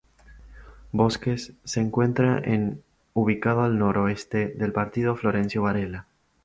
Bosques se encuentra en ubicado al noreste del Partido de Florencio Varela.